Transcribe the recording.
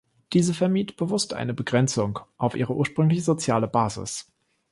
Diese vermied bewusst eine Begrenzung auf ihre ursprüngliche soziale Basis.